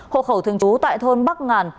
hộ khẩu thường trú tại thôn bắc ngàn